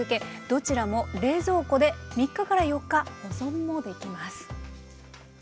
どちらも冷蔵庫で３日から４日保存もできます。